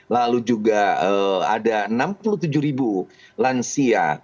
lalu juga ada enam puluh tujuh ribu lansia